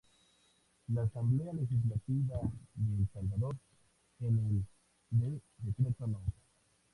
La Asamblea Legislativa de El Salvador, en el de Decreto no.